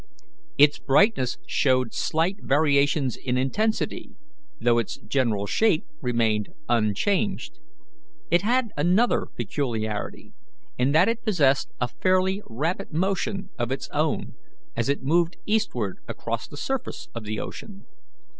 Its brightness showed slight variations in intensity, though its general shape remained unchanged. It had another peculiarity, in that it possessed a fairly rapid motion of its own, as it moved eastward across the surface of the ocean.